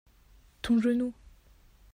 ton genou.